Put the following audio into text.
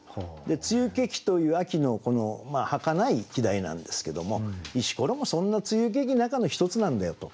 「露けき」という秋のはかない季題なんですけども「石ころ」もそんな露けき中の一つなんだよと。